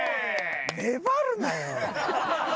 粘るなよ！